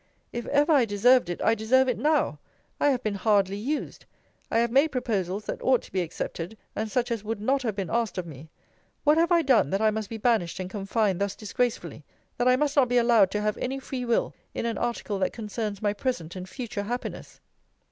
If ever I deserved it, I deserve it now. I have been hardly used! I have made proposals that ought to be accepted, and such as would not have been asked of me. What have I done, that I must be banished and confined thus disgracefully? that I must not be allowed to have any free will in an article that concerns my present and future happiness?